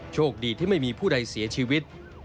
โชคดีที่ไม่มีผู้ใดเสียชีวิต